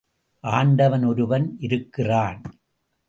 ஆண்டவன் ஒருவன் இருக்கிறான்.